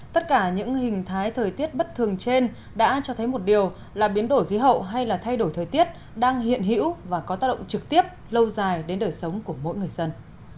tất cả những hình thái thời tiết bất thường trên đã cho thấy một điều là biến đổi khí hậu hay là thay đổi thời tiết đang hiện hữu và có tác động trực tiếp lâu dài đến đời sống của mỗi người dân